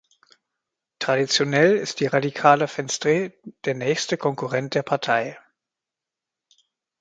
Traditionell ist die Radikale Venstre der nächste Konkurrent der Partei.